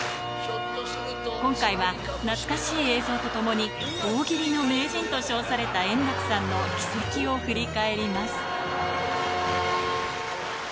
今回は懐かしい映像とともに、大喜利の名人と称された円楽さんの軌跡を振り返ります。